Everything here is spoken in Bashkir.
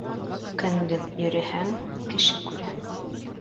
Көндөҙ йөрөһәң, кеше күрә